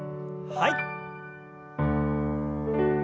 はい。